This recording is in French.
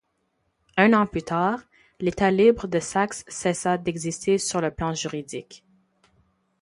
Un an plus tard, l'État libre de Saxe cessa d'exister sur le plan juridique.